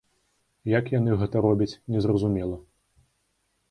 Як яны гэта робяць, не зразумела.